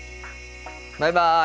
バイバイ。